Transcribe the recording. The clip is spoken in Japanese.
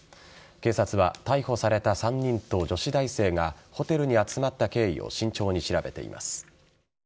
警察は逮捕された３人と女子大生がホテルに集まった経緯を慎重に調べています。